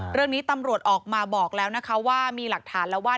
เรื่องนี้ตำรวจออกมาบอกแล้วนะคะว่ามีหลักฐานแล้วว่า